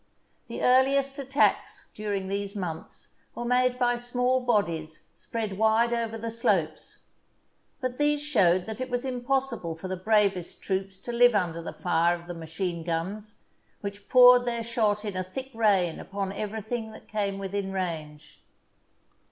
The earliest at tacks during these months were made by small bodies spread wide over the slopes, but these showed that it was impossible for the bravest troops to live under the fire of the machine guns, which poured their shot in a thick rain upon everything that came within range.